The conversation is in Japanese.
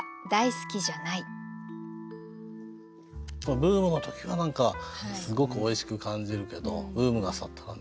ブームの時は何かすごくおいしく感じるけどブームが去ったらね